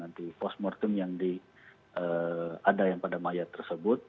nanti nanti post mortem yang ada yang pada mayat tersebut